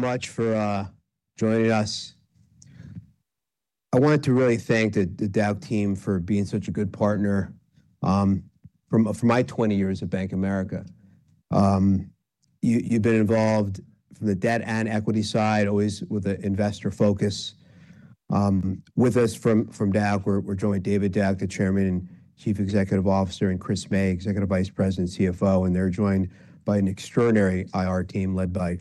Much for joining us. I wanted to really thank the Dauch team for being such a good partner from for my 20 years at Bank of America. You've been involved from the debt and equity side, always with an investor focus. With us from Dauch, we're joined by David Dauch, the Chairman and Chief Executive Officer, and Chris May, Executive Vice President and CFO, and they're joined by an extraordinary IR team led by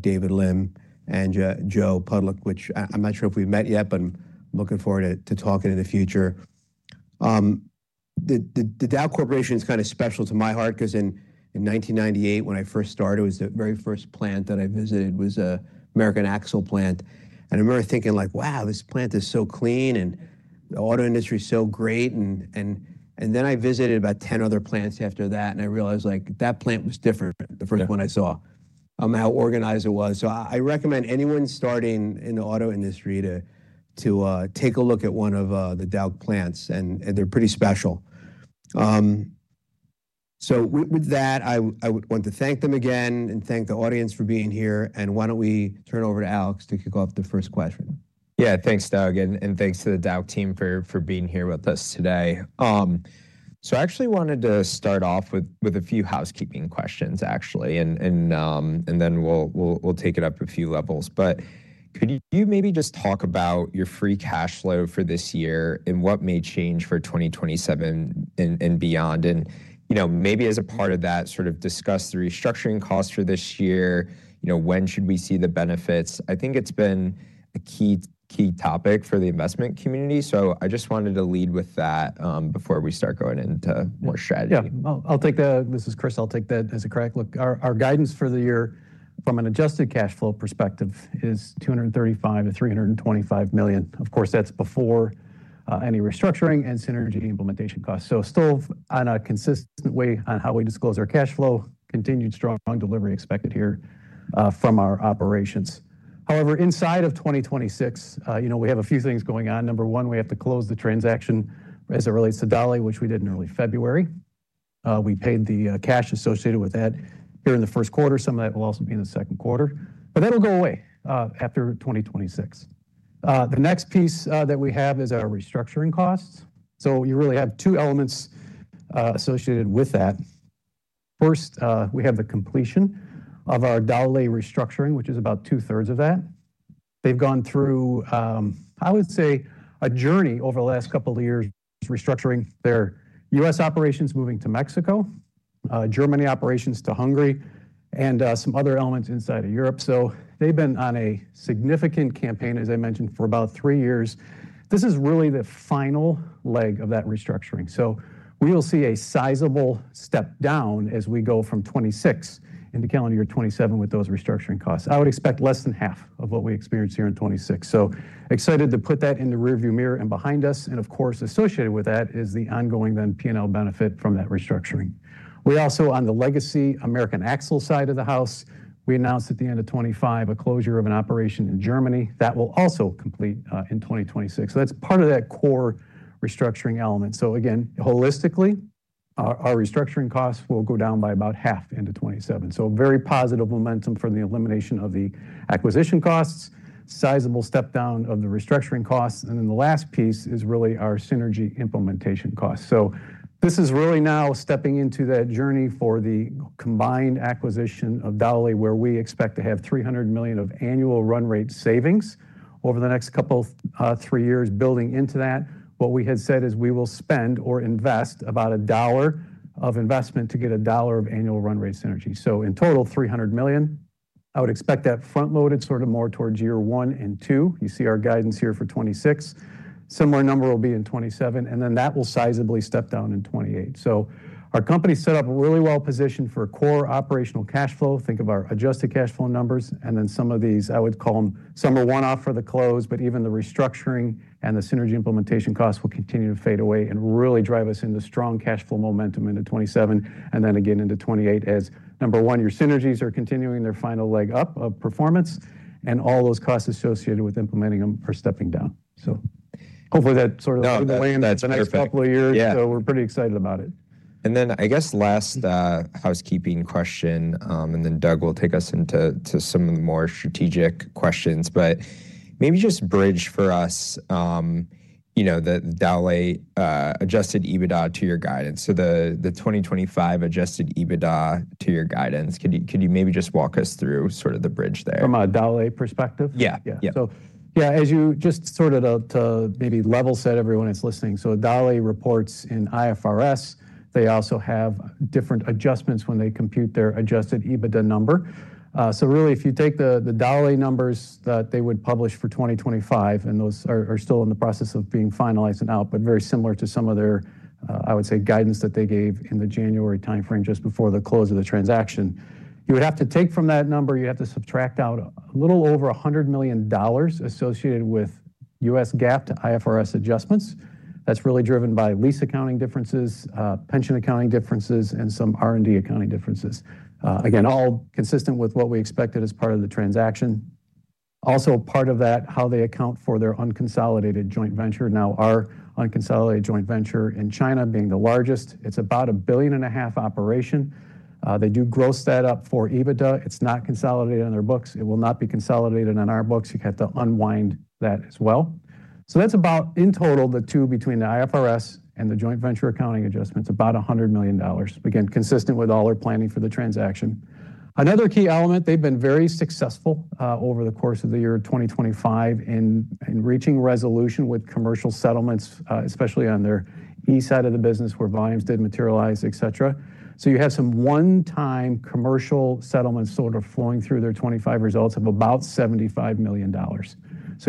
David Lim and Joe Pudlik, which I'm not sure if we've met yet, but I'm looking forward to talking in the future. The Dauch Corporation's kind of special to my heart 'cause in 1998 when I first started, it was the very first plant that I visited. It was an American Axle plant, and I remember thinking like, "Wow, this plant is so clean, and the auto industry is so great." I visited about 10 other plants after that, and I realized, like, that plant was different. Yeah The first one I saw, how organized it was. I recommend anyone starting in the auto industry to take a look at one of the Dauch plants and they're pretty special. With that, I want to thank them again and thank the audience for being here, and why don't we turn it over to Alex to kick off the first question? Yeah. Thanks, Doug, and thanks to the Dauch team for being here with us today. I actually wanted to start off with a few housekeeping questions actually, and then we'll take it up a few levels. Could you maybe just talk about your free cash flow for this year and what may change for 2027 and beyond? You know, maybe as a part of that, sort of discuss the restructuring costs for this year. You know, when should we see the benefits? I think it's been a key topic for the investment community, so I just wanted to lead with that before we start going into more strategy. Yeah. I'll take that as a crack. This is Chris. I'll take that as a crack. Look, our guidance for the year from an adjusted cash flow perspective is $235 million-$325 million. Of course, that's before any restructuring and synergy implementation costs. Still on a consistent way on how we disclose our cash flow, continued strong delivery expected here from our operations. However, inside of 2026, you know, we have a few things going on. Number one, we have to close the transaction as it relates to Dowlais, which we did in early February. We paid the cash associated with that during the first quarter. Some of that will also be in the second quarter. That'll go away after 2026. The next piece that we have is our restructuring costs. You really have two elements associated with that. First, we have the completion of our Dauch restructuring, which is about 2/3 of that. They've gone through, I would say a journey over the last couple of years restructuring their U.S. operations, moving to Mexico, Germany operations to Hungary, and some other elements inside of Europe. They've been on a significant campaign, as I mentioned, for about three years. This is really the final leg of that restructuring. We will see a sizable step down as we go from 2026 into calendar year 2027 with those restructuring costs. I would expect less than half of what we experienced here in 2026. Excited to put that in the rearview mirror and behind us and, of course, associated with that is the ongoing then P&L benefit from that restructuring. We also, on the legacy American Axle side of the house, we announced at the end of 2025 a closure of an operation in Germany. That will also complete in 2026. That's part of that core restructuring element. Again, holistically, our restructuring costs will go down by about half into 2027. Very positive momentum from the elimination of the acquisition costs, sizable step down of the restructuring costs, and then the last piece is really our synergy implementation costs. This is really now stepping into that journey for the combined acquisition of Dauch, where we expect to have $300 million of annual run rate savings over the next couple, three years building into that. What we had said is we will spend or invest about $1 of investment to get $1 of annual run rate synergy. In total, $300 million. I would expect that front-loaded sort of more towards year one and two. You see our guidance here for 2026. Similar number will be in 2027, and then that will sizably step down in 2028. Our company's set up really well positioned for core operational cash flow. Think of our adjusted cash flow numbers and then some of these, I would call them, some are one-off for the close, but even the restructuring and the synergy implementation costs will continue to fade away and really drive us into strong cash flow momentum into 2027 and then again into 2028 as, number one, your synergies are continuing their final leg up of performance and all those costs associated with implementing them are stepping down. Hopefully that sort of No, that's perfect. Laid the next couple of years. Yeah. We're pretty excited about it. I guess last housekeeping question, and then Doug will take us into some of the more strategic questions. Maybe just bridge for us, you know, the Dowlais adjusted EBITDA to your guidance. The 2025 adjusted EBITDA to your guidance. Could you maybe just walk us through sort of the bridge there? From a Dowlais perspective? Yeah. Yeah. Yeah. Yeah. As you just sort of to maybe level set everyone that's listening. Dowlais reports in IFRS. They also have different adjustments when they compute their adjusted EBITDA number. Really if you take the Dowlais numbers that they would publish for 2025, and those are still in the process of being finalized and out, but very similar to some of their I would say guidance that they gave in the January timeframe just before the close of the transaction. You would have to take from that number, you have to subtract out a little over $100 million associated with U.S. GAAP to IFRS adjustments. That's really driven by lease accounting differences, pension accounting differences, and some R&D accounting differences. Again, all consistent with what we expected as part of the transaction. Part of that, how they account for their unconsolidated joint venture. Now our unconsolidated joint venture in China being the largest, it's about a $1.5 billion operation. They do gross that up for EBITDA. It's not consolidated on their books. It will not be consolidated on our books. You have to unwind that as well. That's about in total, the two between the IFRS and the joint venture accounting adjustments, about $100 million. Again, consistent with all our planning for the transaction. Another key element, they've been very successful over the course of the year 2025 in reaching resolution with commercial settlements, especially on their eDrive side of the business where volumes didn't materialize, et cetera. You have some one-time commercial settlements sort of flowing through their 2025 results of about $75 million.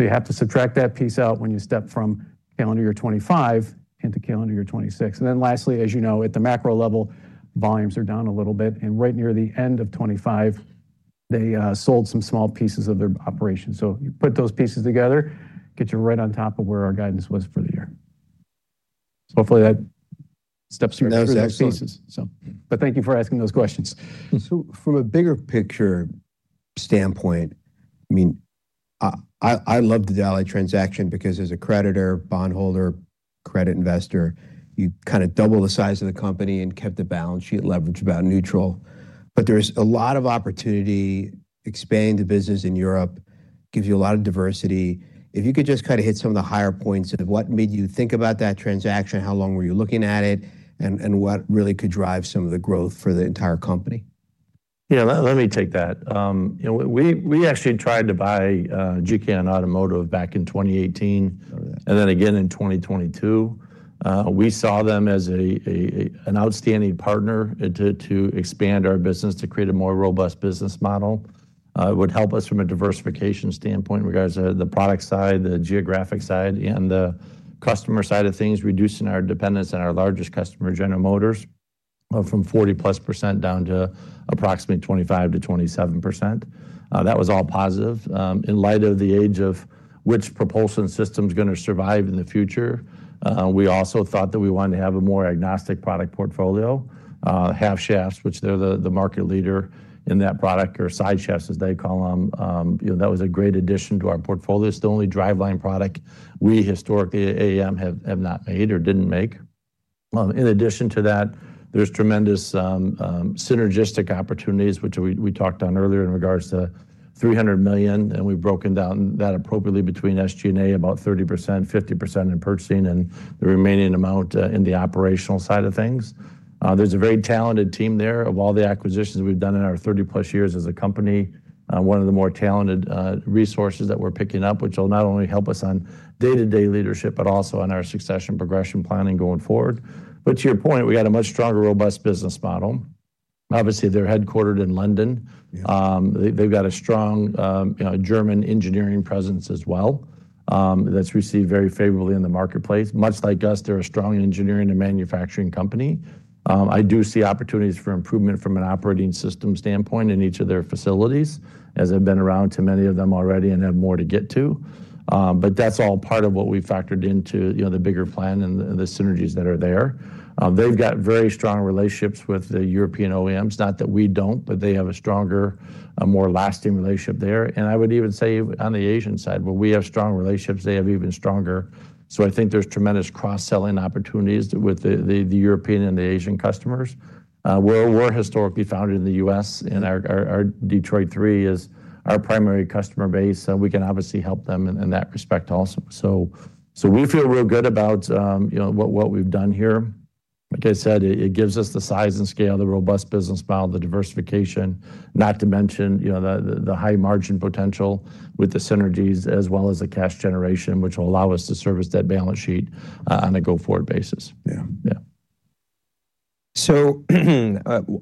You have to subtract that piece out when you step from calendar year 2025 into calendar year 2026. Then lastly, as you know, at the macro level, volumes are down a little bit, and right near the end of 2025, they sold some small pieces of their operation. You put those pieces together, gets you right on top of where our guidance was for the year. Hopefully that steps through those pieces. That was excellent. Thank you for asking those questions. From a bigger picture standpoint, I mean, I love the Dowlais transaction because as a creditor, bondholder, credit investor, you kind of double the size of the company and kept the balance sheet leverage about neutral. There's a lot of opportunity. Expanding the business in Europe gives you a lot of diversity. If you could just kind of hit some of the higher points of what made you think about that transaction, how long were you looking at it, and what really could drive some of the growth for the entire company? Yeah, let me take that. You know, we actually tried to buy GKN Automotive back in 2018. Oh, yeah. Again in 2022. We saw them as an outstanding partner to expand our business, to create a more robust business model, would help us from a diversification standpoint in regards to the product side, the geographic side, and the customer side of things, reducing our dependence on our largest customer, General Motors, from 40+% down to approximately 25%-27%. That was all positive. In light of the age of which propulsion system's gonna survive in the future, we also thought that we wanted to have a more agnostic product portfolio. Half shafts, which they're the market leader in that product or side shafts, as they call them, you know, that was a great addition to our portfolio. It's the only driveline product we historically at AAM have not made or didn't make. In addition to that, there's tremendous synergistic opportunities, which we talked on earlier in regards to $300 million, and we've broken down that appropriately between SG&A about 30%, 50% in purchasing, and the remaining amount in the operational side of things. There's a very talented team there. Of all the acquisitions we've done in our 30+ years as a company, one of the more talented resources that we're picking up, which will not only help us on day-to-day leadership but also on our succession progression planning going forward. To your point, we got a much stronger, robust business model. Obviously, they're headquartered in London. Yes. They've got a strong German engineering presence as well, that's received very favorably in the marketplace. Much like us, they're a strong engineering and manufacturing company. I do see opportunities for improvement from an operating system standpoint in each of their facilities, as I've been around to many of them already and have more to get to. That's all part of what we factored into, you know, the bigger plan and the synergies that are there. They've got very strong relationships with the European OEMs. Not that we don't, but they have a stronger, more lasting relationship there. I would even say on the Asian side, where we have strong relationships, they have even stronger. I think there's tremendous cross-selling opportunities with the European and the Asian customers. Where we're historically founded in the U.S., and our Detroit Three is our primary customer base, so we can obviously help them in that respect also. So we feel real good about, you know, what we've done here. Like I said, it gives us the size and scale, the robust business model, the diversification, not to mention, you know, the high margin potential with the synergies as well as the cash generation, which will allow us to service that balance sheet on a go-forward basis. Yeah. Yeah.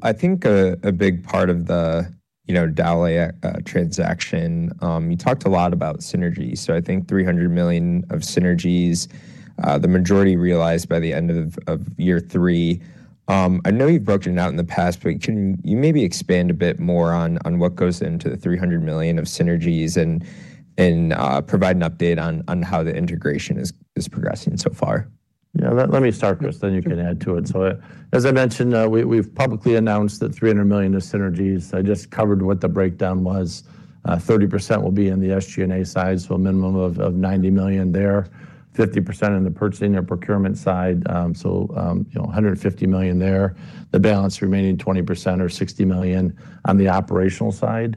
I think a big part of the, you know, Dowlais transaction, you talked a lot about synergies. I think $300 million of synergies, the majority realized by the end of year three. I know you've broken it out in the past, but can you maybe expand a bit more on what goes into the $300 million of synergies and provide an update on how the integration is progressing so far? Yeah. Let me start, Chris, then you can add to it. As I mentioned, we've publicly announced that $300 million of synergies. I just covered what the breakdown was. 30% will be in the SG&A side, so a minimum of $90 million there. 50% in the purchasing or procurement side, you know, $150 million there. The balance remaining 20% or $60 million on the operational side.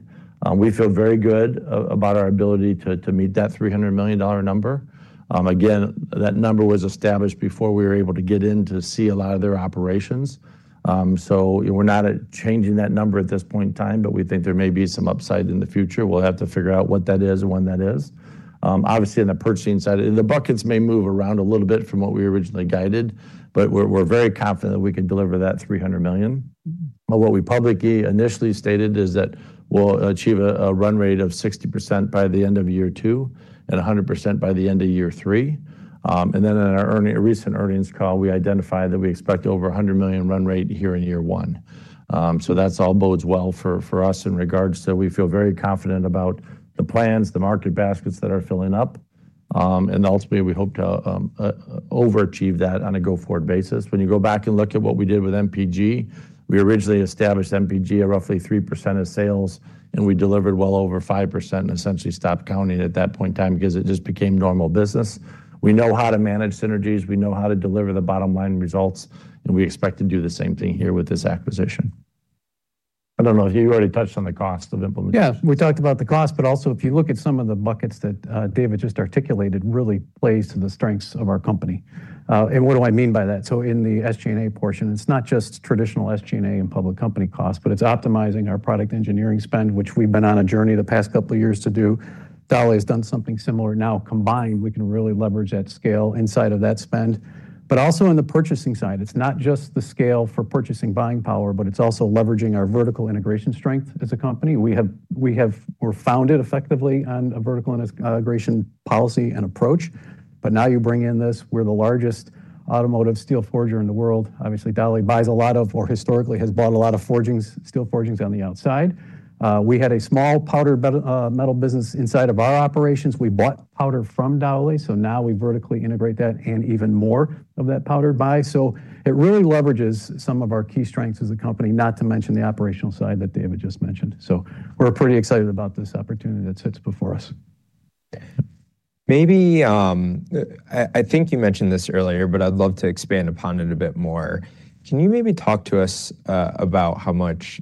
We feel very good about our ability to meet that $300 million number. Again, that number was established before we were able to get in to see a lot of their operations. We're not changing that number at this point in time, but we think there may be some upside in the future. We'll have to figure out what that is and when that is. Obviously on the purchasing side, the buckets may move around a little bit from what we originally guided, but we're very confident that we can deliver that $300 million. What we publicly initially stated is that we'll achieve a run rate of 60% by the end of year two and 100% by the end of year three. Then in our recent earnings call, we identified that we expect over $100 million run rate here in year one. That all bodes well for us in regards to we feel very confident about the plans, the market baskets that are filling up. Ultimately we hope to overachieve that on a go-forward basis. When you go back and look at what we did with MPG, we originally established MPG at roughly 3% of sales, and we delivered well over 5% and essentially stopped counting at that point in time because it just became normal business. We know how to manage synergies, we know how to deliver the bottom-line results, and we expect to do the same thing here with this acquisition. I don't know if you already touched on the cost of implementation. Yeah, we talked about the cost, but also if you look at some of the buckets that David just articulated really plays to the strengths of our company. What do I mean by that? In the SG&A portion, it's not just traditional SG&A and public company costs, but it's optimizing our product engineering spend, which we've been on a journey the past couple of years to do. Dowlais has done something similar. Now combined, we can really leverage that scale inside of that spend. But also on the purchasing side, it's not just the scale for purchasing buying power, but it's also leveraging our vertical integration strength as a company. We're founded effectively on a vertical integration policy and approach, but now you bring in this, we're the largest automotive steel forger in the world. Obviously, Dowlais buys a lot of, or historically has bought a lot of forgings, steel forgings on the outside. We had a small powder metal business inside of our operations. We bought powder from Dowlais, so now we vertically integrate that and even more of that powder buy. It really leverages some of our key strengths as a company, not to mention the operational side that David just mentioned. We're pretty excited about this opportunity that sits before us. Maybe I think you mentioned this earlier, but I'd love to expand upon it a bit more. Can you maybe talk to us about how much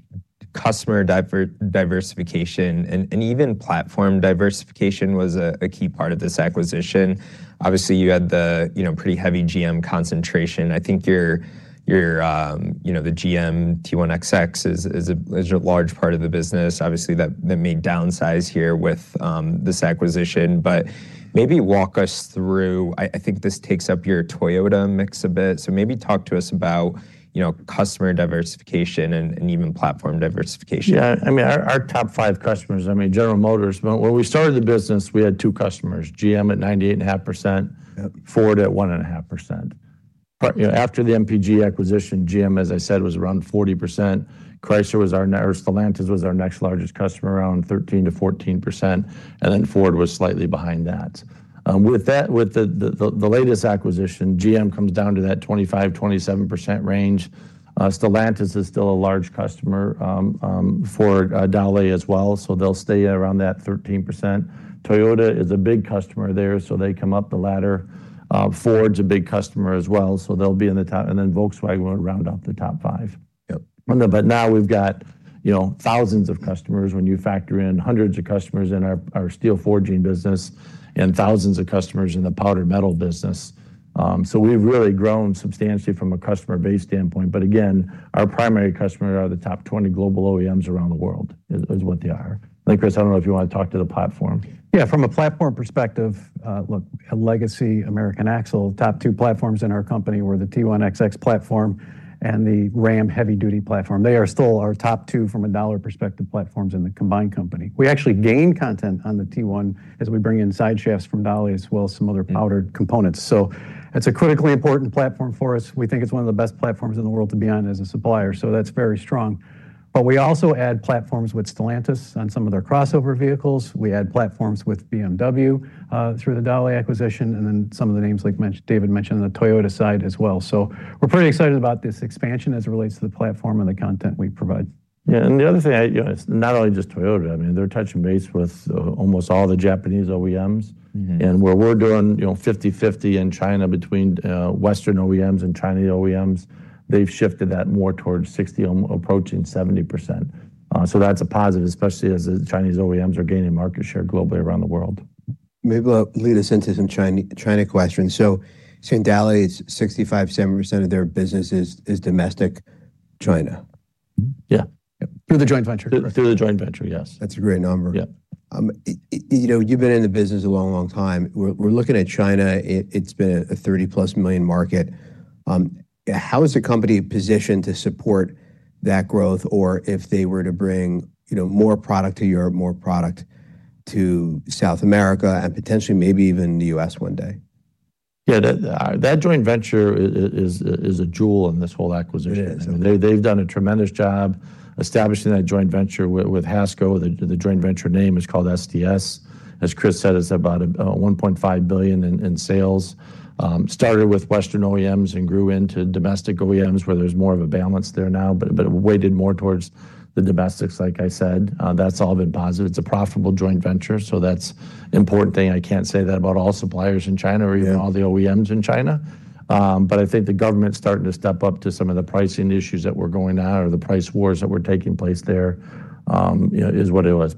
customer diversification and even platform diversification was a key part of this acquisition? Obviously, you had, you know, pretty heavy GM concentration. I think your you know the GM T1XX is a large part of the business. Obviously, that may downsize here with this acquisition. Maybe walk us through. I think this takes up your Toyota mix a bit. Maybe talk to us about, you know, customer diversification and even platform diversification. Yeah. I mean, our top five customers, I mean, General Motors. When we started the business, we had two customers, GM at 98.5%. Yep Ford at 1.5%. You know, after the MPG acquisition, GM, as I said, was around 40%. Stellantis was our next largest customer, around 13%-14%, and then Ford was slightly behind that. With that, with the latest acquisition, GM comes down to that 25%-27% range. Stellantis is still a large customer for Dauch as well, so they'll stay around that 13%. Toyota is a big customer there, so they come up the ladder. Ford's a big customer as well, so they'll be in the top, and then Volkswagen will round out the top five. Yep. Now we've got, you know, thousands of customers when you factor in hundreds of customers in our steel forging business and thousands of customers in the powder metal business. We've really grown substantially from a customer base standpoint. Again, our primary customers are the top 20 global OEMs around the world, is what they are. I think, Chris, I don't know if you want to talk to the platform. Yeah, from a platform perspective, look, at Legacy American Axle, top two platforms in our company were the T1XX platform and the Ram Heavy Duty platform. They are still our top two from a dollar perspective platforms in the combined company. We actually gain content on the T1 as we bring in side shafts from Dauch, as well as some other powder metal components. It's a critically important platform for us. We think it's one of the best platforms in the world to be on as a supplier, that's very strong. We also add platforms with Stellantis on some of their crossover vehicles. We add platforms with BMW through the Dauch acquisition and then some of the names David mentioned, the Toyota side as well. We're pretty excited about this expansion as it relates to the platform and the content we provide. Yeah, the other thing, you know, it's not only just Toyota. I mean, they're touching base with almost all the Japanese OEMs. Mm-hmm. Where we're doing, you know, 50/50 in China between Western OEMs and Chinese OEMs, they've shifted that more towards 60%, approaching 70%. So that's a positive, especially as the Chinese OEMs are gaining market share globally around the world. Maybe lead us into some China questions. Saying Dowlais is 65%-70% of their business is domestic China. Mm-hmm. Yeah. Through the joint venture. Through the joint venture, yes. That's a great number. Yeah. You know, you've been in the business a long, long time. We're looking at China, it's been a 30+ million market. How is the company positioned to support that growth? If they were to bring, you know, more product to Europe, more product to South America, and potentially maybe even the U.S. one day? Yeah, that joint venture is a jewel in this whole acquisition. It is. I mean, they've done a tremendous job establishing that joint venture with HASCO. The joint venture name is called SDS. As Chris said, it's about $1.5 billion in sales. Started with Western OEMs and grew into domestic OEMs, where there's more of a balance there now, but weighted more towards the domestics, like I said. That's all been positive. It's a profitable joint venture, so that's important thing. I can't say that about all suppliers in China. Yeah or even all the OEMs in China. I think the government's starting to step up to some of the pricing issues that were going on or the price wars that were taking place there, yeah, is what it was.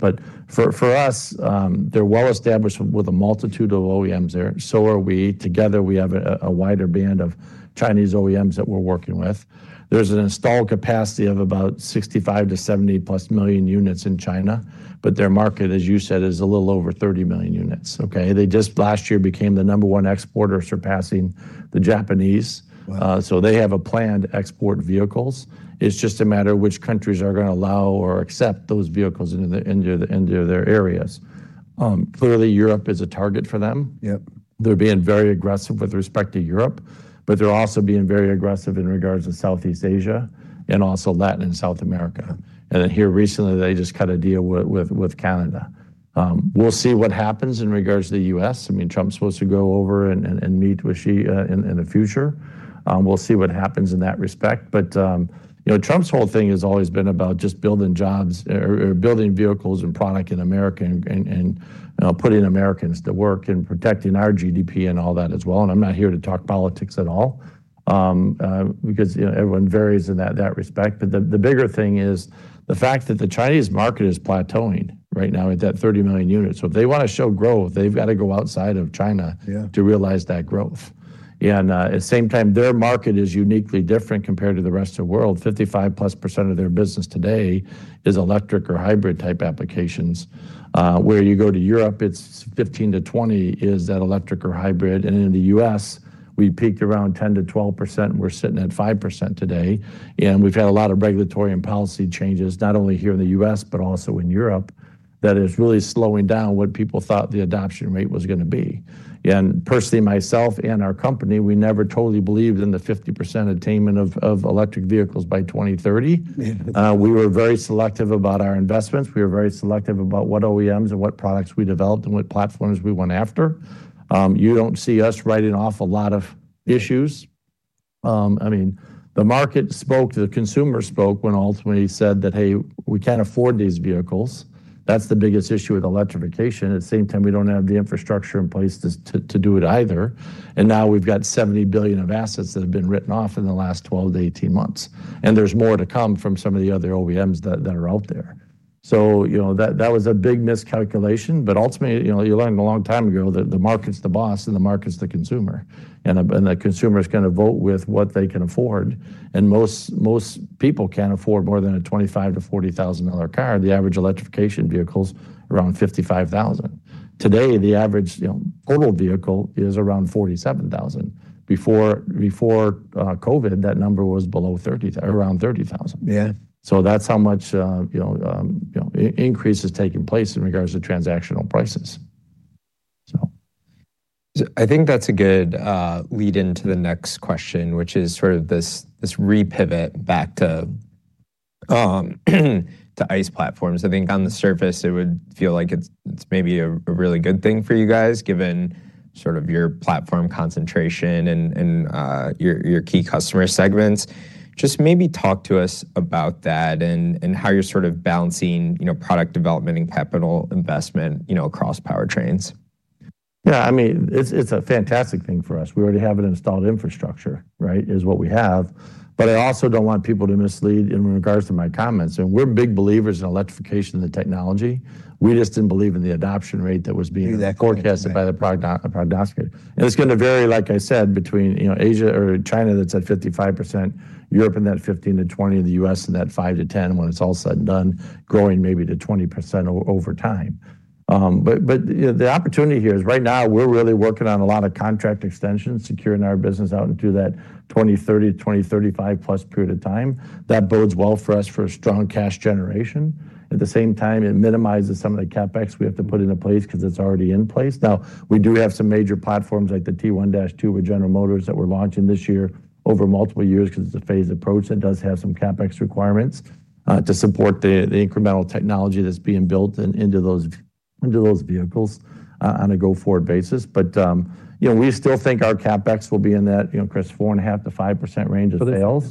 For us, they're well established with a multitude of OEMs there. Are we. Together we have a wider band of Chinese OEMs that we're working with. There's an installed capacity of about 65-70+ million units in China, but their market, as you said, is a little over 30 million units. Okay. They just last year became the number one exporter, surpassing the Japanese. Wow. They have a plan to export vehicles. It's just a matter which countries are gonna allow or accept those vehicles into their areas. Clearly Europe is a target for them. Yep. They're being very aggressive with respect to Europe, but they're also being very aggressive in regards to Southeast Asia and also Latin and South America. Here recently, they just cut a deal with Canada. We'll see what happens in regards to the U.S. I mean, Trump's supposed to go over and meet with Xi in the future. We'll see what happens in that respect. You know, Trump's whole thing has always been about just building jobs or building vehicles and product in America and, you know, putting Americans to work and protecting our GDP and all that as well, and I'm not here to talk politics at all because, you know, everyone varies in that respect. The bigger thing is the fact that the Chinese market is plateauing right now at that 30 million units. If they wanna show growth, they've got to go outside of China. Yeah To realize that growth. At the same time, their market is uniquely different compared to the rest of the world. 55%+ of their business today is electric or hybrid-type applications. Where you go to Europe, it's 15%-20% that's electric or hybrid, and in the U.S., we peaked around 10%-12%. We're sitting at 5% today, and we've had a lot of regulatory and policy changes, not only here in the U.S. but also in Europe, that is really slowing down what people thought the adoption rate was gonna be. Personally, myself and our company, we never totally believed in the 50% attainment of electric vehicles by 2030. Yeah. We were very selective about our investments. We were very selective about what OEMs and what products we developed and what platforms we went after. You don't see us writing off a lot of issues. I mean, the market spoke, the consumer spoke when ultimately he said that, "Hey, we can't afford these vehicles." That's the biggest issue with electrification. At the same time, we don't have the infrastructure in place to do it either. Now we've got $70 billion of assets that have been written off in the last 12-18 months, and there's more to come from some of the other OEMs that are out there. You know, that was a big miscalculation, but ultimately, you know, you learned a long time ago that the market's the boss and the market's the consumer. The consumer's gonna vote with what they can afford, and most people can't afford more than a $25,000-$40,000 car. The average electrification vehicle's around $55,000. Today, the average, you know, total vehicle is around $47,000. Before COVID, that number was below $30,000, around $30,000. Yeah. That's how much, you know, increase has taken place in regards to transactional prices. I think that's a good lead-in to the next question, which is sort of this re-pivot back to ICE platforms. I think on the surface, it would feel like it's maybe a really good thing for you guys, given sort of your platform concentration and your key customer segments. Just maybe talk to us about that and how you're sort of balancing, you know, product development and capital investment, you know, across powertrains. Yeah, I mean, it's a fantastic thing for us. We already have an installed infrastructure, right, is what we have. But I also don't want people to mislead in regards to my comments. We're big believers in electrification of the technology. We just didn't believe in the adoption rate that was being- Do that- Forecasted by the prognosticators. It's gonna vary, like I said, between, you know, Asia or China that's at 55%, Europe in that 15%-20%, and the U.S. in that 5%-10% when it's all said and done, growing maybe to 20% over time. But you know, the opportunity here is right now we're really working on a lot of contract extensions, securing our business out into that 2030 to 2035 plus period of time. That bodes well for us for a strong cash generation. At the same time, it minimizes some of the CapEx we have to put into place because it's already in place. Now, we do have some major platforms like the T1-2 with General Motors that we're launching this year over multiple years because it's a phased approach that does have some CapEx requirements to support the incremental technology that's being built in into those vehicles on a go-forward basis. You know, we still think our CapEx will be in that, you know, Chris, 4.5%-5% range of sales.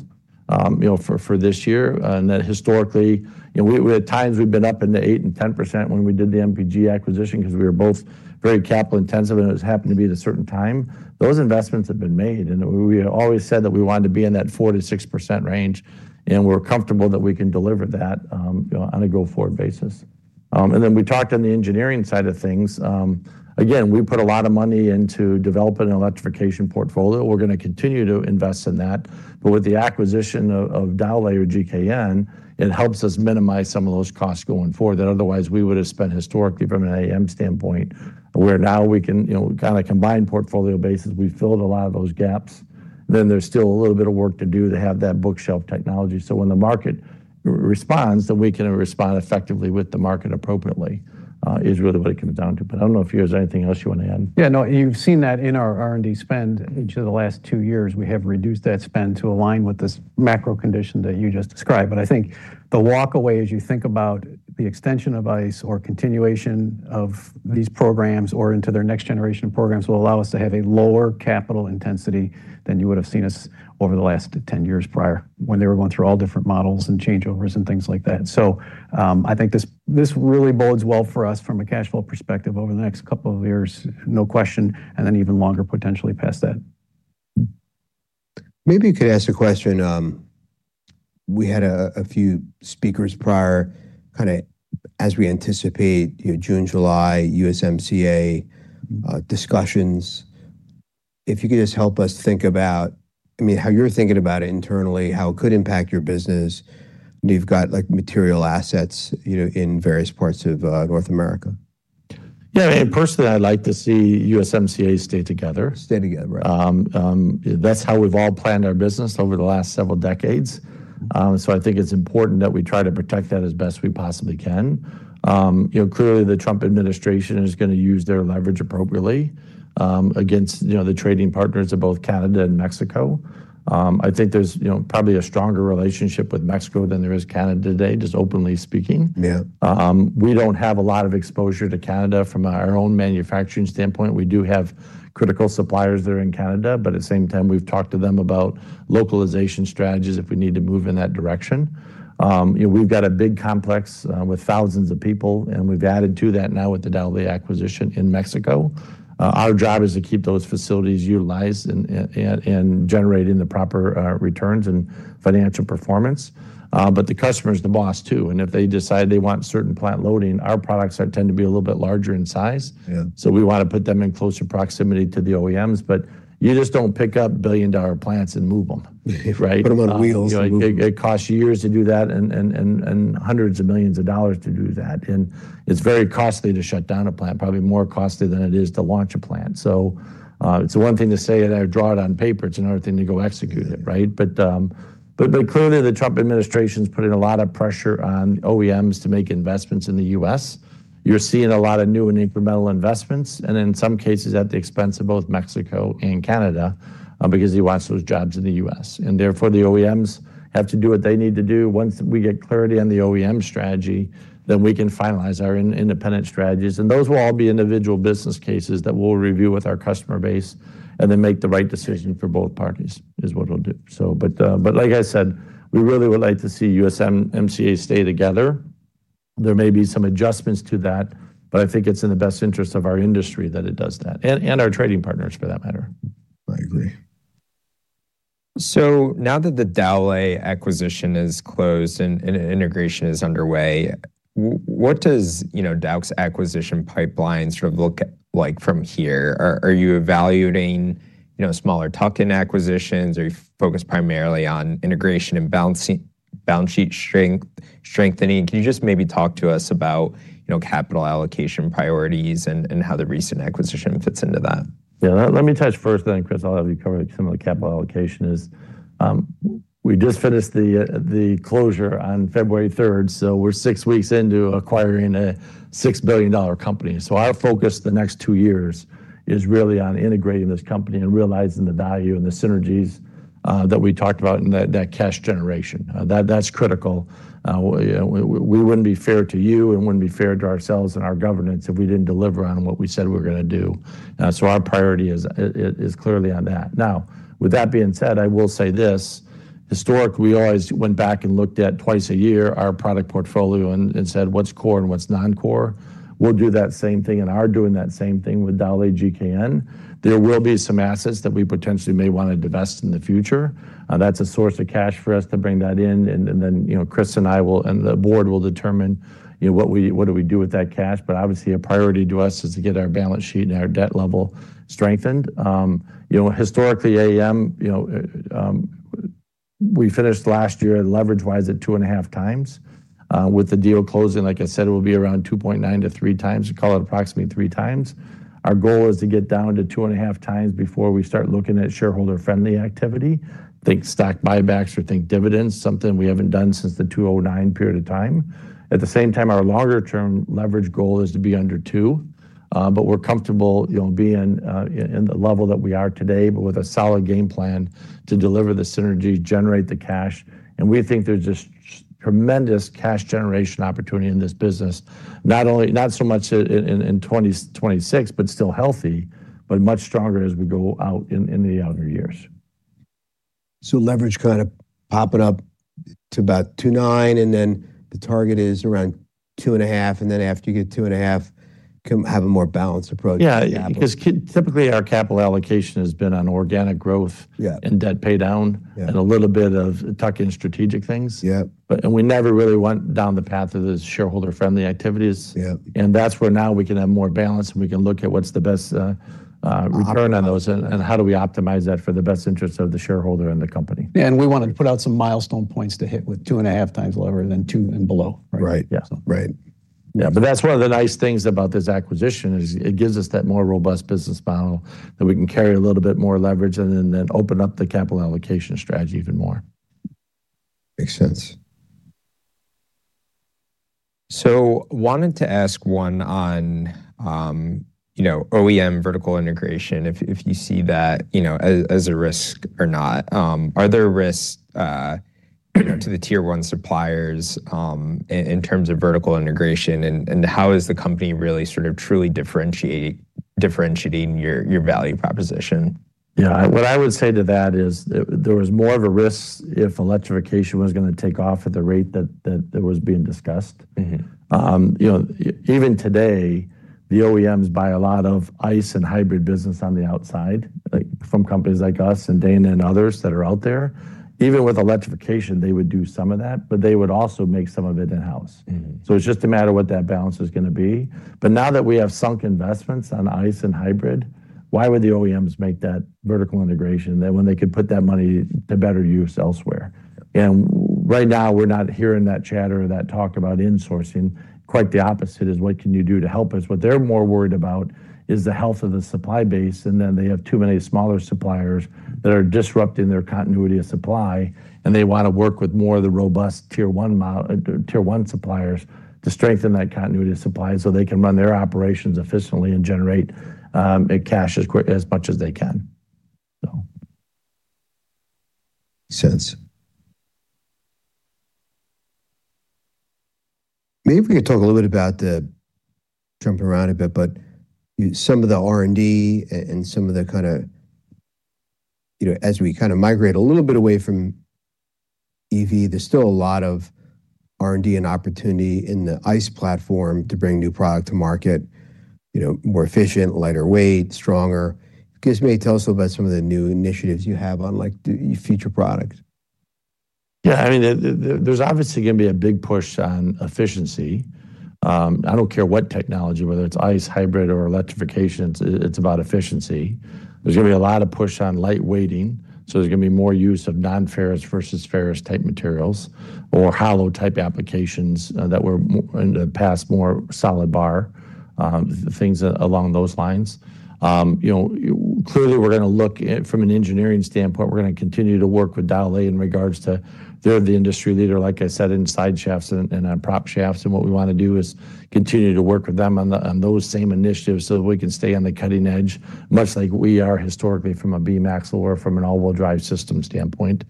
Okay You know, for this year. That historically, you know, we at times have been up in the 8%-10% when we did the MPG acquisition because we were both very capital intensive, and it just happened to be at a certain time. Those investments have been made, and we always said that we wanted to be in that 4%-6% range, and we're comfortable that we can deliver that, you know, on a go-forward basis. We talked on the engineering side of things. Again, we put a lot of money into developing an electrification portfolio. We're gonna continue to invest in that. with the acquisition of Dowlais or GKN, it helps us minimize some of those costs going forward that otherwise we would have spent historically from an AAM standpoint, where now we can, you know, on a combined portfolio basis, we've filled a lot of those gaps. There's still a little bit of work to do to have that bookshelf technology, so when the market responds, that we can respond effectively with the market appropriately, is really what it comes down to. I don't know if there's anything else you wanna add. Yeah, no, you've seen that in our R&D spend each of the last two years. We have reduced that spend to align with this macro condition that you just described. I think the takeaway as you think about the extension of ICE or continuation of these programs or into their next generation of programs, will allow us to have a lower capital intensity than you would've seen us over the last 10 years prior, when they were going through all different models and changeovers and things like that. I think this really bodes well for us from a cash flow perspective over the next couple of years, no question, and then even longer, potentially past that. Maybe I could ask a question. We had a few speakers prior kinda as we anticipate, you know, June, July, USMCA discussions. If you could just help us think about, I mean, how you're thinking about it internally, how it could impact your business, and you've got, like, material assets, you know, in various parts of North America. Yeah, personally, I'd like to see USMCA stay together. Stay together, right. That's how we've all planned our business over the last several decades. I think it's important that we try to protect that as best we possibly can. You know, clearly, the Trump administration is gonna use their leverage appropriately against, you know, the trading partners of both Canada and Mexico. I think there's, you know, probably a stronger relationship with Mexico than there is Canada today, just openly speaking. Yeah. We don't have a lot of exposure to Canada from our own manufacturing standpoint. We do have critical suppliers that are in Canada, but at the same time, we've talked to them about localization strategies if we need to move in that direction. You know, we've got a big complex with thousands of people, and we've added to that now with the Dowlais acquisition in Mexico. Our job is to keep those facilities utilized and generating the proper returns and financial performance. The customer is the boss too, and if they decide they want certain plant loading, our products tend to be a little bit larger in size. Yeah. We wanna put them in closer proximity to the OEMs, but you just don't pick up billion-dollar plants and move them, right? Put them on wheels and move them. You know, it costs you years to do that and hundreds of millions of dollars to do that. It's very costly to shut down a plant, probably more costly than it is to launch a plant. It's one thing to say it or draw it on paper, it's another thing to go execute it, right? Clearly, the Trump administration's putting a lot of pressure on OEMs to make investments in the U.S. You're seeing a lot of new and incremental investments, and in some cases, at the expense of both Mexico and Canada, because he wants those jobs in the U.S. Therefore, the OEMs have to do what they need to do. Once we get clarity on the OEM strategy, then we can finalize our independent strategies. Those will all be individual business cases that we'll review with our customer base and then make the right decision for both parties, is what we'll do. Like I said, we really would like to see USMCA stay together. There may be some adjustments to that, but I think it's in the best interest of our industry that it does that, and our trading partners, for that matter. I agree. Now that the Dowlais acquisition is closed and integration is underway, what does, you know, Dauch's acquisition pipeline sort of look like from here? Are you evaluating, you know, smaller tuck-in acquisitions? Are you focused primarily on integration and balance sheet strengthening? Can you just maybe talk to us about, you know, capital allocation priorities and how the recent acquisition fits into that? Yeah. Let me touch first, then Chris, I'll have you cover some of the capital allocation. We just finished the closure on February 3rd, so we're six weeks into acquiring a $6 billion company. Our focus the next two years is really on integrating this company and realizing the value and the synergies that we talked about and that cash generation. That's critical. You know, we wouldn't be fair to you and wouldn't be fair to ourselves and our governance if we didn't deliver on what we said we're gonna do. Our priority is clearly on that. Now, with that being said, I will say this. Historically, we always went back and looked at twice a year our product portfolio and said, "What's core and what's non-core?" We'll do that same thing and are doing that same thing with Dowlais GKN. There will be some assets that we potentially may wanna divest in the future. That's a source of cash for us to bring that in, and then, you know, Chris and I will, and the board will determine, you know, what do we do with that cash. Obviously, a priority to us is to get our balance sheet and our debt level strengthened. You know, historically, AAM, you know, we finished last year leverage-wise at 2.5x With the deal closing, like I said, it will be around 2.9x-3x. Call it approximately 3x Our goal is to get down to 2.5x before we start looking at shareholder-friendly activity. Think stock buybacks or think dividends, something we haven't done since the 2009 period of time. At the same time, our longer-term leverage goal is to be under two, but we're comfortable, you know, being in the level that we are today, but with a solid game plan to deliver the synergy, generate the cash, and we think there's just tremendous cash generation opportunity in this business. Not so much in 2026, but still healthy, but much stronger as we go out in the outer years. Leverage kind of popping up to about 2.9, and then the target is around 2.5, and then after you get 2.5, can have a more balanced approach to capital. Yeah. Yeah. 'Cause typically, our capital allocation has been on organic growth- Yeah debt paydown. Yeah A little bit of tuck-in strategic things. Yeah. We never really went down the path of the shareholder-friendly activities. Yeah. That's where now we can have more balance, and we can look at what's the best. Option Return on those and how do we optimize that for the best interest of the shareholder and the company. Yeah. We wanna put out some milestone points to hit with 2.5x leverage, then 2 and below. Right. Yeah. Right. Yeah, that's one of the nice things about this acquisition is it gives us that more robust business model that we can carry a little bit more leverage and then open up the capital allocation strategy even more. Makes sense. Wanted to ask one on, you know, OEM vertical integration, if you see that, you know, as a risk or not. Are there risks, you know, to the tier one suppliers, in terms of vertical integration and how is the company really sort of truly differentiating your value proposition? Yeah. What I would say to that is there was more of a risk if electrification was gonna take off at the rate that was being discussed. Mm-hmm. You know, even today, the OEMs buy a lot of ICE and hybrid business on the outside, like from companies like us and Dana and others that are out there. Even with electrification, they would do some of that, but they would also make some of it in-house. Mm-hmm. It's just a matter of what that balance is gonna be. Now that we have sunk investments on ICE and hybrid, why would the OEMs make that vertical integration then when they could put that money to better use elsewhere? Right now, we're not hearing that chatter or that talk about insourcing. Quite the opposite is what can you do to help us. What they're more worried about is the health of the supply base, and then they have too many smaller suppliers that are disrupting their continuity of supply, and they want to work with more of the robust tier one suppliers to strengthen that continuity of supply so they can run their operations efficiently and generate cash as much as they can. Makes sense. Maybe we could talk a little bit about jumping around a bit, but some of the R&D and some of the kinda, you know, as we kind of migrate a little bit away from EV, there's still a lot of R&D and opportunity in the ICE platform to bring new product to market, you know, more efficient, lighter weight, stronger. If you guys may tell us about some of the new initiatives you have on like the future products. Yeah. I mean, there's obviously going to be a big push on efficiency. I don't care what technology, whether it's ICE, hybrid or electrification, it's about efficiency. There's gonna be a lot of push on light weighting, so there's gonna be more use of non-ferrous versus ferrous-type materials or hollow-type applications that were in the past more solid bar, things along those lines. You know, clearly, we're going to look at, from an engineering standpoint, we're going to continue to work with Dauch in regards to they're the industry leader, like I said, in side shafts and on prop shafts. What we want to do is continue to work with them on those same initiatives so that we can stay on the cutting edge, much like we are historically from a beam axle or from an all-wheel drive system standpoint.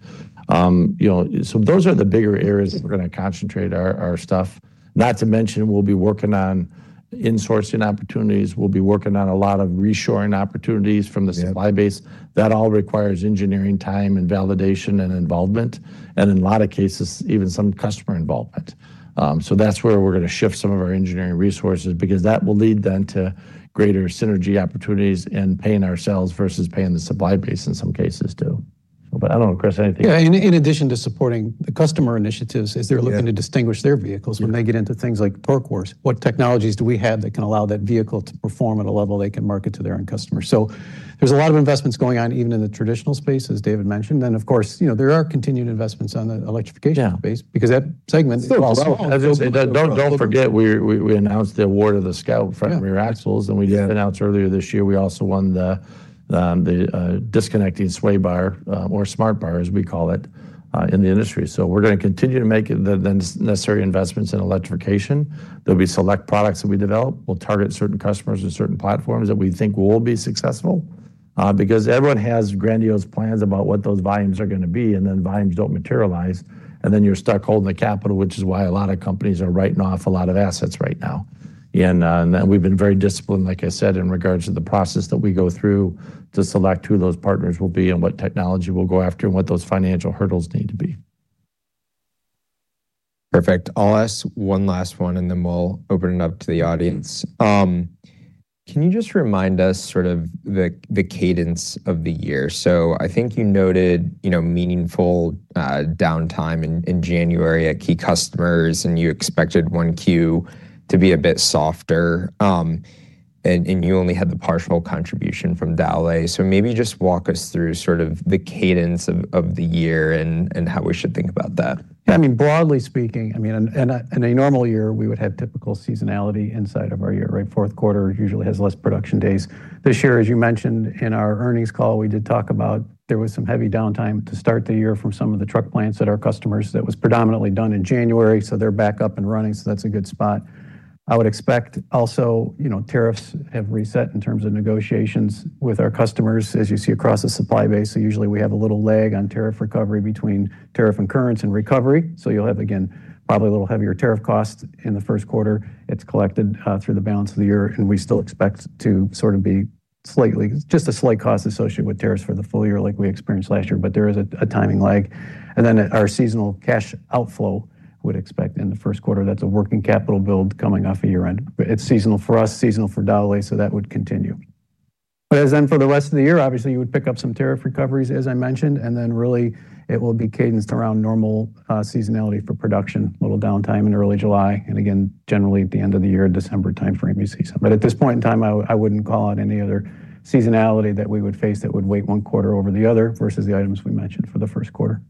You know, those are the bigger areas that we're going to concentrate our stuff. Not to mention, we'll be working on insourcing opportunities. We'll be working on a lot of reshoring opportunities from the supply base. That all requires engineering time and validation and involvement, and in a lot of cases, even some customer involvement. That's where we're going to shift some of our engineering resources because that will lead then to greater synergy opportunities and paying ourselves versus paying the supply base in some cases too. I don't know, Chris, anything. Yeah. In addition to supporting the customer initiatives as they're looking to distinguish their vehicles, when they get into things like torque wars, what technologies do we have that can allow that vehicle to perform at a level they can market to their own customers? There's a lot of investments going on even in the traditional space, as David mentioned. Of course, you know, there are continued investments on the electrification space because that segment- Don't forget, we announced the award of the Scout front and rear axles, and we just announced earlier this year we also won the disconnecting sway bar, or SmartBar, as we call it, in the industry. We're going to continue to make the necessary investments in electrification. There'll be select products that we develop. We'll target certain customers and certain platforms that we think will be successful, because everyone has grandiose plans about what those volumes are going to be, and then volumes don't materialize, and then you're stuck holding the capital, which is why a lot of companies are writing off a lot of assets right now. We've been very disciplined, like I said, in regards to the process that we go through to select who those partners will be and what technology we'll go after and what those financial hurdles need to be. Perfect. I'll ask one last one, and then we'll open it up to the audience. Can you just remind us sort of the cadence of the year? I think you noted, you know, meaningful downtime in January at key customers, and you expected 1Q to be a bit softer, and you only had the partial contribution from Dowlais. Maybe just walk us through sort of the cadence of the year and how we should think about that. I mean, broadly speaking, in a normal year, we would have typical seasonality inside of our year, right? Fourth quarter usually has less production days. This year, as you mentioned in our earnings call, we did talk about there was some heavy downtime to start the year from some of the truck plants at our customers that was predominantly done in January, so they're back up and running, so that's a good spot. I would expect also, you know, tariffs have reset in terms of negotiations with our customers as you see across the supply base. Usually, we have a little lag on tariff recovery between tariff incurrence and recovery. You'll have, again, probably a little heavier tariff cost in the first quarter. It's collected through the balance of the year, and we still expect to sort of be slightly, just a slight cost associated with tariffs for the full year like we experienced last year, but there is a timing lag. Then our seasonal cash outflow we'd expect in the first quarter. That's a working capital build coming off of year-end. It's seasonal for us, seasonal for Dowlais, so that would continue. As then for the rest of the year, obviously, you would pick up some tariff recoveries, as I mentioned, and then really it will be cadenced around normal seasonality for production. A little downtime in early July and again, generally at the end of the year, December timeframe, you see some. At this point in time, I wouldn't call it any other seasonality that we would face that would weigh one quarter over the other versus the items we mentioned for the first quarter.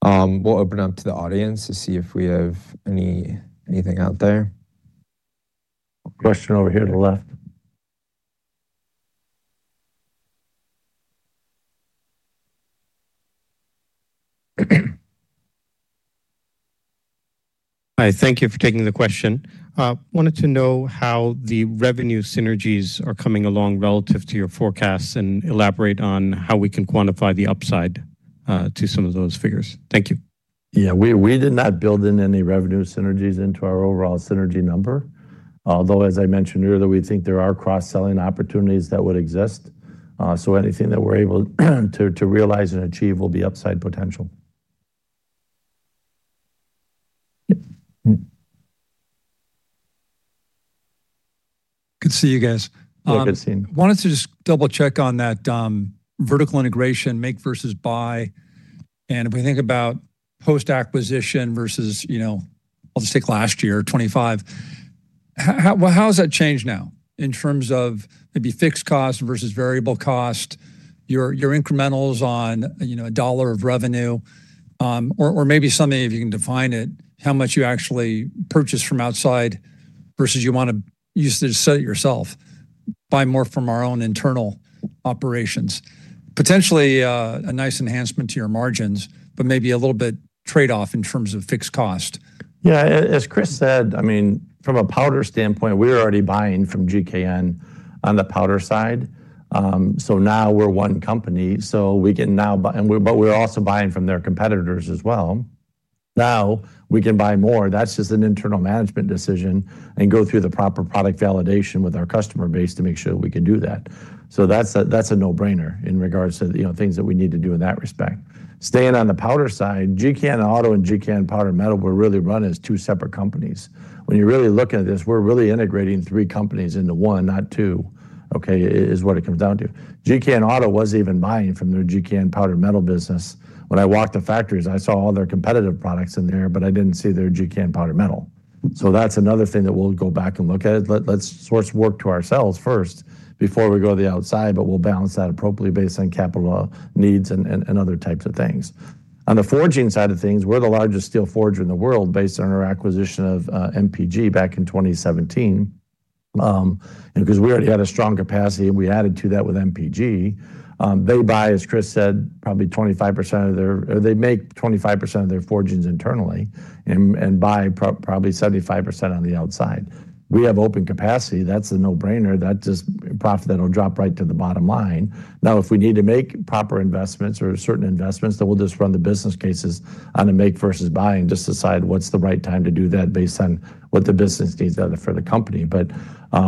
Perfect. We'll open up to the audience to see if we have anything out there. A question over here on the left. Hi, thank you for taking the question. Wanted to know how the revenue synergies are coming along relative to your forecasts, and elaborate on how we can quantify the upside, to some of those figures. Thank you. Yeah, we did not build in any revenue synergies into our overall synergy number. Although, as I mentioned earlier, that we think there are cross-selling opportunities that would exist. Anything that we're able to realize and achieve will be upside potential. Yep. Mm-hmm. Good to see you guys. Good. Good seeing you. Wanted to just double-check on that, vertical integration make versus buy. If we think about post-acquisition versus, you know, I'll just take last year, 2025. Well, how has that changed now in terms of maybe fixed cost versus variable cost, your incrementals on, you know, $1 of revenue? Or maybe someday if you can define it, how much you actually purchase from outside versus you wanna use to sell it yourself, buy more from our own internal operations. Potentially, a nice enhancement to your margins, but maybe a little bit trade-off in terms of fixed cost. Yeah. As Chris said, I mean, from a powder standpoint, we're already buying from GKN on the powder side. So now we're one company, so we can now buy. But we're also buying from their competitors as well. Now we can buy more. That's just an internal management decision and go through the proper product validation with our customer base to make sure that we can do that. So that's a no-brainer in regards to, you know, things that we need to do in that respect. Staying on the powder side, GKN Automotive and GKN Powder Metallurgy were really run as two separate companies. When you really look at this, we're really integrating three companies into one, not two, okay, is what it comes down to. GKN Automotive was even buying from their GKN Powder Metallurgy business. When I walked the factories, I saw all their competitive products in there, but I didn't see their GKN Powder Metallurgy. That's another thing that we'll go back and look at. Let's source work to ourselves first before we go to the outside, but we'll balance that appropriately based on capital needs and other types of things. On the forging side of things, we're the largest steel forger in the world based on our acquisition of MPG back in 2017. Because we already had a strong capacity, and we added to that with MPG. As Chris said, they make 25% of their forgings internally and buy probably 75% on the outside. We have open capacity. That's a no-brainer. Profit that'll drop right to the bottom line. Now, if we need to make proper investments or certain investments, then we'll just run the business cases on a make versus buy and just decide what's the right time to do that based on what the business needs are for the company.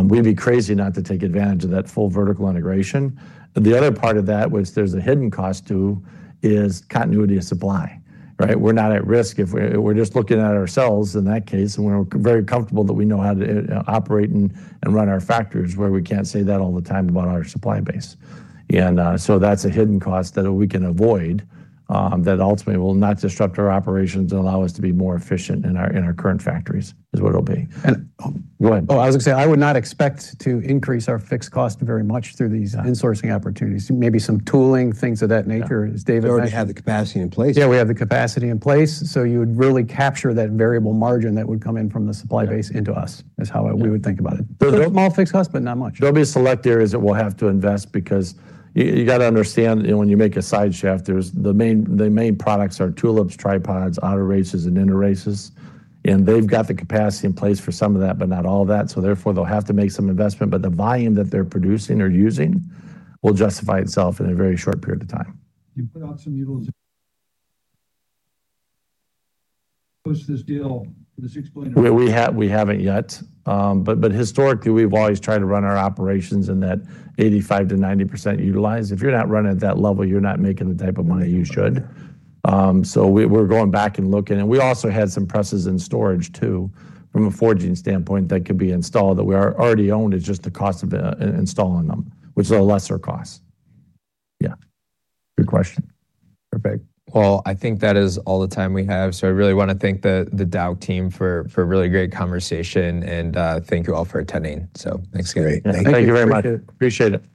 We'd be crazy not to take advantage of that full vertical integration. The other part of that, which there's a hidden cost to, is continuity of supply, right? We're not at risk if we're just looking at ourselves in that case, and we're very comfortable that we know how to operate and run our factories where we can't say that all the time about our supply base. That's a hidden cost that we can avoid, that ultimately will not disrupt our operations and allow us to be more efficient in our current factories, is what it'll be. And- Go ahead. Oh, I was gonna say, I would not expect to increase our fixed cost very much through these. Yeah Insourcing opportunities. Maybe some tooling, things of that nature. Yeah. As David mentioned. We already have the capacity in place. Yeah, we have the capacity in place. You would really capture that variable margin that would come in from the supply base into us. Yeah is how we would think about it. There's- Small fixed cost, but not much. There'll be select areas that we'll have to invest because you gotta understand, you know, when you make a side shaft, there's the main products are tulips, tripods, outer races, and inner races. They've got the capacity in place for some of that, but not all of that. Therefore, they'll have to make some investment. The volume that they're producing or using will justify itself in a very short period of time. You put out some push this deal for the $6 billion- We haven't yet. But historically, we've always tried to run our operations in that 85%-90% utilization. If you're not running at that level, you're not making the type of money you should. So we're going back and looking. We also had some presses in storage too from a forging standpoint that could be installed, that we already own. It's just the cost of installing them, which is a lesser cost. Yeah. Good question. Perfect. Well, I think that is all the time we have, so I really wanna thank the Dauch team for a really great conversation and thank you all for attending. Thanks again. Great. Thank you. Thank you very much. Appreciate it.